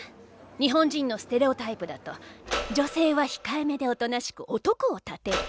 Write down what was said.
日本人のステレオタイプだと女性は控えめで大人しく男を立てる。